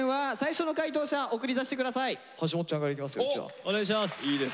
お願いします！